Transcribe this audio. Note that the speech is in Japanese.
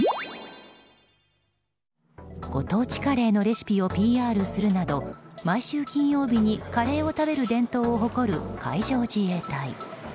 ご当地カレーのレシピをＰＲするなど毎週金曜日にカレーを食べる伝統を誇る海上自衛隊。